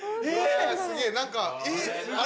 すげぇ何か。